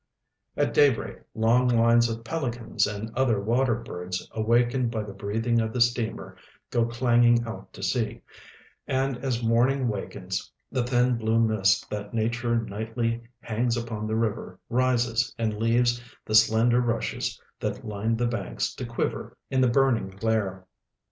At daybreak long lines of pelicans and other water birds awakened 1 >y the breathing of the steamer go clanging out to sea, and as morning wakens, the thin blue mist that nature nightly hangs upon the river rises and leaves the slender rushes that line the banks to quiver in the burning glare.